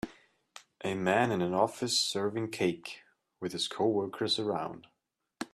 A man in an office serving cake, with his coworkers around.